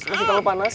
masih terlalu panas